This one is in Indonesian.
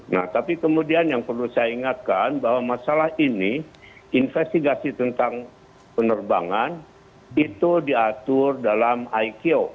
nah tapi kemudian yang perlu saya ingatkan bahwa masalah ini investigasi tentang penerbangan itu diatur dalam iko